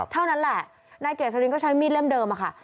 เท่านั้นแหละนายเกษรินก็ใช้มีดเล่มเดิมค่ะ